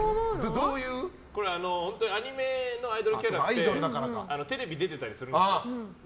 アニメのアイドルキャラってテレビ出てたりするんですよ。